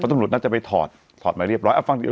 ก็ต้องหลุดน่าจะไปถอดถอดไว้เรียบร้อยเอาฟัง